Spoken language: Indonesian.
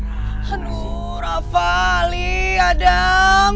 aduh rafa ali adam